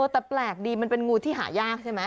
แต่แปลกดีมันเป็นงูที่หายากใช่ไหม